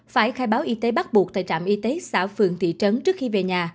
phải khai báo y tế bắt buộc tại trạm y tế xã phường thị trấn trước khi về nhà